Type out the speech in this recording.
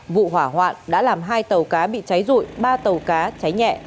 vụ hỏa hoạn đã làm hai tàu cá bị cháy rụi ba tàu cá cháy nhẹ